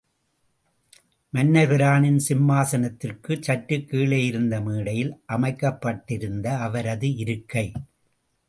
மன்னர்பிரானின் சிம்மாசனத்திற்குச் சற்றுக் கீழே இருந்த மேடையில் அமைக்கப்பட்டிருந்தது அவரது இருக்கை.